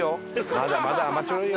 まだまだ甘ちょろいよ。